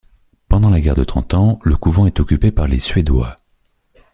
Pendant la Guerre de Trente Ans, le couvent est occupé par les Suédois.